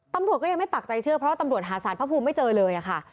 ตำรวจก็ยังไม่ปักใจเชื่อเพราะว่าตำรวจหาสารพระภูมิไม่เจอเลยค่ะ